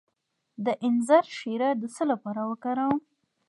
د انځر شیره د څه لپاره وکاروم؟